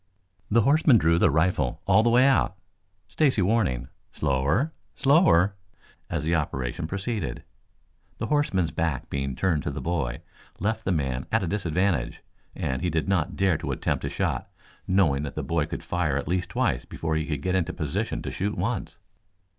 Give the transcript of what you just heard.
The horseman drew the rifle all the way out, Stacy warning, "Slower, slower," as the operation proceeded. The horseman's back being turned to the boy left the man at a disadvantage, and he did not dare to attempt a shot, knowing that the boy could fire at least twice before he could get into position to shoot once.